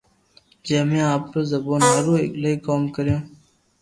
جي امي آپرو زبون ھارو ايلائيڪوم ڪريو